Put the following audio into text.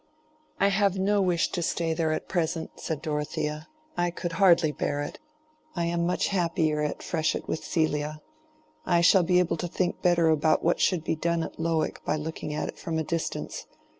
"I have no wish to stay there at present," said Dorothea; "I could hardly bear it. I am much happier at Freshitt with Celia. I shall be able to think better about what should be done at Lowick by looking at it from a distance.